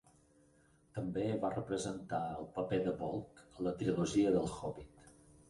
També va representar el paper de Bolg a la trilogia del Hobbit.